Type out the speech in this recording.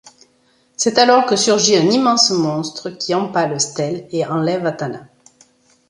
C'est alors que surgit un immense monstre qui empale Stell et enlève Atana.